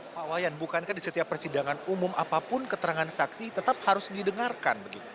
pak wayan bukankah di setiap persidangan umum apapun keterangan saksi tetap harus didengarkan begitu